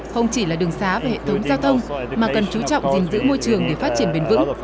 không chỉ là đường xá và hệ thống giao thông mà cần chú trọng gìn giữ môi trường để phát triển bền vững